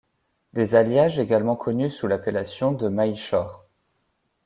Des alliages également connus sous l'appellation de maillechort.